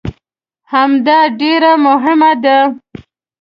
همدا ډېره مهمه ده.